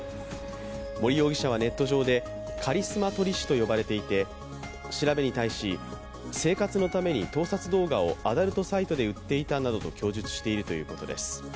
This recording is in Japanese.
森容疑者はネット上で、カリスマ撮り師と呼ばれていて調べに対し、生活のために盗撮動画をアダルトサイトで売っていたなどと供述しているということです。